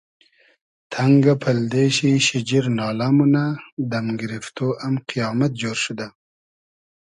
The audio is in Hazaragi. تئنگۂ پئلدې شی شیجیر نالۂ مونۂ دئم گیریفتۉ ام قپامئد جۉر شودۂ